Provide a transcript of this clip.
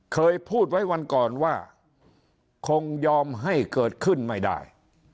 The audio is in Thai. เคยพูดไว้วันก่อนว่าคงยอมให้เกิดขึ้นไม่ได้